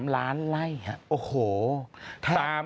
๓ล้านไล่